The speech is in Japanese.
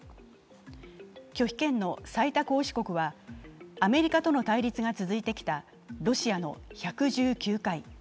拒否権の最多行使国は、アメリカとの対立が続いてきたロシアの１１９回。